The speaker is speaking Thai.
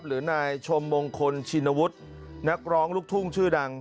หรือนายชมมงคลชินวุฒินักร้องลูกทุ่งชื่อดัง